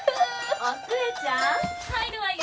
・お寿恵ちゃん入るわよ！